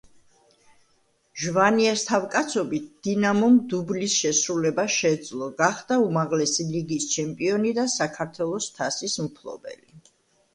ჟვანიას თავკაცობით „დინამომ“ დუბლის შესრულება შეძლო, გახდა უმაღლესი ლიგის ჩემპიონი და საქართველოს თასის მფლობელი.